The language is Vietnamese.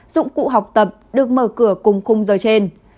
dụng cụ học tập được mở cửa cùng khung giờ trên